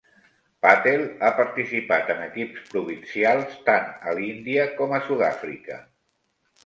Patel ha participat en equips provincials tant a l'Índia com a Sud-àfrica.